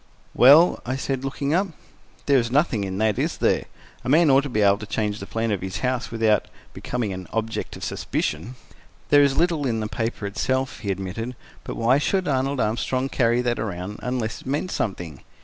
"Well?" I said, looking up. "There is nothing in that, is there? A man ought to be able to change the plan of his house without becoming an object of suspicion." "There is little in the paper itself," he admitted; "but why should Arnold Armstrong carry that around, unless it meant something?